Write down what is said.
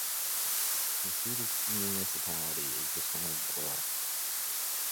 The seat of the municipality is the town Burrel.